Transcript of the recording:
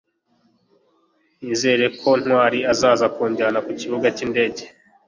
nizere ko ntwali azaza kunjyana ku kibuga cy'indege